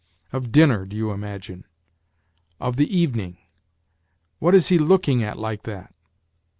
... Of dinner, do you imagine ? Of the evening ? What is he looking at like that